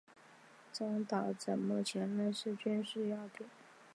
中途岛目前仍是军事要地。